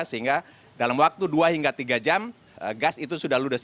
sehingga dalam waktu dua hingga tiga jam gas itu sudah ludes